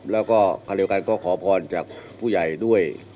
แล้วก็คราวเดียวกันก็ขอพรจากผู้ใหญ่ด้วย